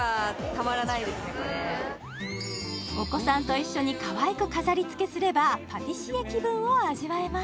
お子さんと一緒にかわいく飾りつけすればパティシエ気分を味わえま